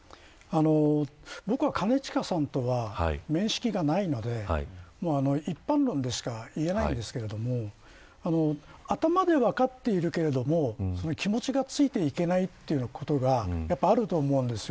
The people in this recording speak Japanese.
僕は兼近さんとは面識がないので一般論でしか言えないんですけれども頭で分かっているけれども気持ちがついていけないということがあると思うんですよ。